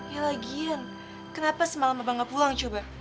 ya lagian kenapa semalam abang gak pulang coba